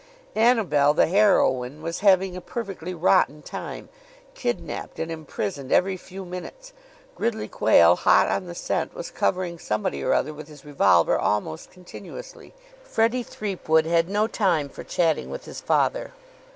Annabel, the heroine, was having a perfectly rotten time kidnapped, and imprisoned every few minutes. Gridley Quayle, hot on the scent, was covering somebody or other with his revolver almost continuously. Freddie Threepwood had no time for chatting with his father.